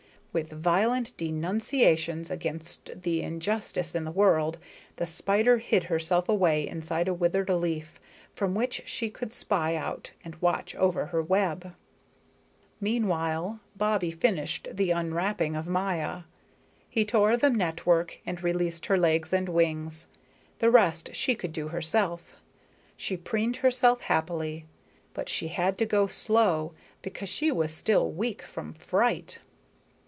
With violent denunciations against the injustice in the world, the spider hid herself away inside a withered leaf, from which she could spy out and watch over her web. Meanwhile Bobbie finished the unwrapping of Maya. He tore the network and released her legs and wings. The rest she could do herself. She preened herself happily. But she had to go slow, because she was still weak from fright.